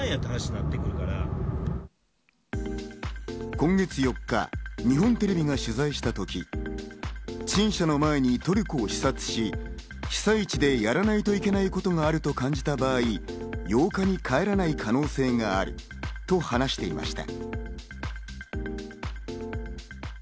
今月４日、日本テレビが取材したとき、陳謝の前にトルコを視察し、被災地でやらないといけないことがあると感じた場合、８日に帰らない可能性があると話していました。